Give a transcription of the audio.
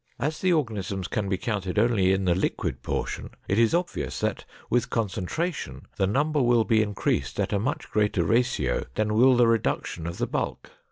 As the organisms can be counted only in the liquid portion, it is obvious that with concentration, the number will be increased at a much greater ratio than will the reduction of the bulk.